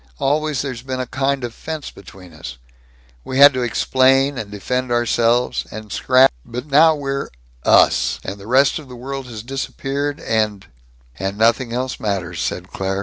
Always there's been a kind of fence between us. We had to explain and defend ourselves and scrap But now we're us, and the rest of the world has disappeared, and " "And nothing else matters," said Claire.